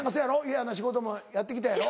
嫌な仕事もやって来たやろ？